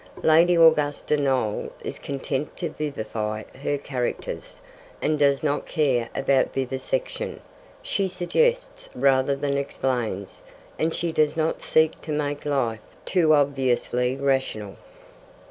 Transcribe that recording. Lady Augusta Noel is content to vivify her characters, and does not care about vivisection; she suggests rather than explains; and she does not seek to make life too obviously rational.